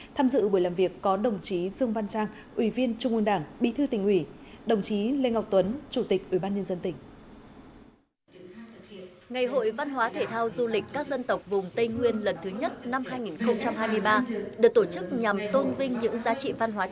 tham dự buổi làm việc có đồng chí dương văn trang ủy viên trung ương đảng bí thư tỉnh ủy đồng chí lê ngọc tuấn chủ tịch ubnd tỉnh